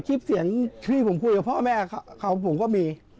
คลิปเสียงที่ผมคุยกับพ่อแม่เขาผมก็มี